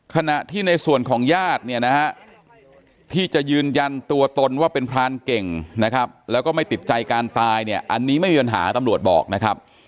ขณะที่ในส่วนของญาติเนี่ยนะฮะที่จะยืนยันตัวตนว่าเป็นพรานเก่งนะครับแล้วก็ไม่ติดใจการตายเนี่ยอันนี้ไม่มีปัญหาตำรวจบอกนะครับ